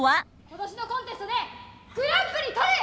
今年のコンテストでグランプリ取る。